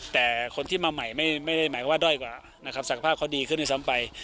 แต่คนที่มาใหม่ไม่ได้หมายความว่าด้อยกว่านะครับศักภาพเขาดีขึ้นด้วยซ้ำไป